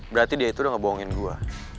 berarti dia itu udah ngebohongin gue